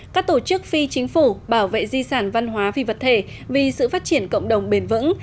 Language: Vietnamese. các tổ chức phi chính phủ bảo vệ di sản văn hóa phi vật thể vì sự phát triển cộng đồng bền vững